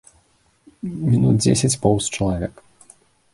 Мінут дзесяць поўз чалавек.